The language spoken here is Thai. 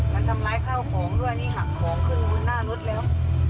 มันทำร้ายข้าวของด้วยนี่หักของขึ้นหน้ารถแล้ว